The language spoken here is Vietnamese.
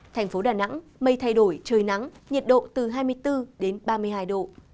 thành phố đà nẵng mây thay đổi trời nắng nhiệt độ từ hai mươi bốn đến ba mươi hai độ